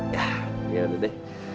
ya udah deh